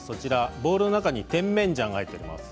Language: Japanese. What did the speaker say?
ボウルの中に甜麺醤が入っています。